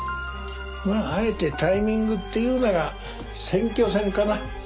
まああえてタイミングっていうなら選挙戦かな。